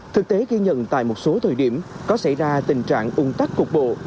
thực tế ghi nhận tại một số thời điểm có xảy ra tình trạng ung tắc cục bộ